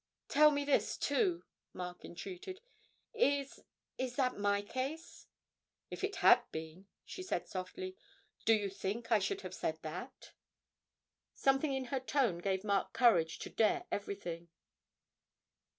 'Tell me this too,' Mark entreated, 'is is that my case?' 'If it had been,' she said softly, 'do you think I should have said that?' Something in her tone gave Mark courage to dare everything.